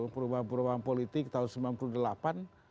perubahan perubahan politik tahun seribu sembilan ratus sembilan puluh delapan